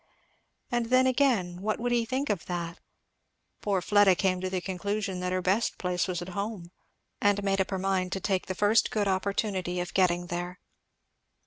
And then again what would he think of that? Poor Fleda came to the conclusion that her best place was at home; and made up her mind to take the first good opportunity of getting there.